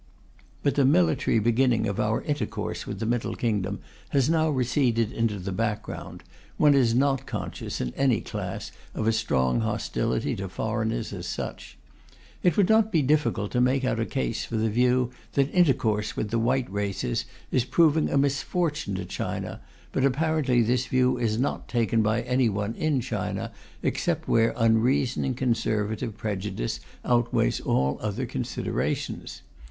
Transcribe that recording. But the military beginning of our intercourse with the Middle Kingdom has now receded into the background; one is not conscious, in any class, of a strong hostility to foreigners as such. It would not be difficult to make out a case for the view that intercourse with the white races is proving a misfortune to China, but apparently this view is not taken by anyone in China except where unreasoning conservative prejudice outweighs all other considerations.